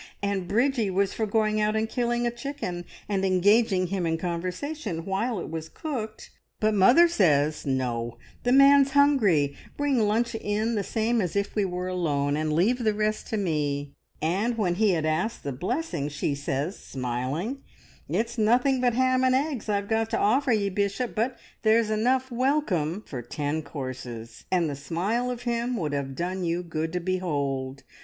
And Bridgie was for going out and killing a chicken, and engaging him in conversation while it was cooked, but mother says, `No, the man's hungry! Bring lunch in the same as if we were alone, and leave the rest to me.' And when he had asked the blessing she says, smiling, `It's nothing but ham and eggs I've got to offer ye, Bishop, but there's enough welcome for ten courses,' and the smile of him would have done you good to behold.